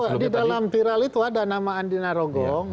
di dalam viral itu ada nama andina rogong